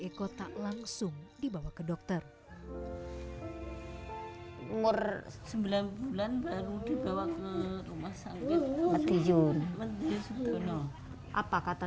eko tak langsung dibawa ke dokter umur sembilan bulan baru dibawa ke rumah sakit matiun apa kata